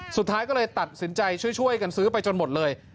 สุดท้ายก็เลยตัดสินใจช่วยกันซื้อไปจนหมดเลย